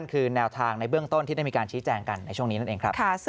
คือแนวทางในเบื้องต้นที่ได้มีการชี้แจงกันในช่วงนี้นั่นเองครับ